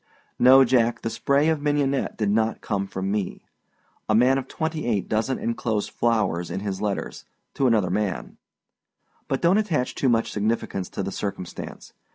No, Jack, the spray of mignonette did not come from me. A man of twenty eight doesnât enclose flowers in his letters to another man. But donât attach too much significance to the circumstance.